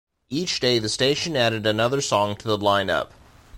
Each day the station added another song to the line up.